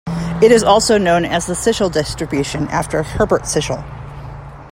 It is also known as the Sichel distribution, after Herbert Sichel.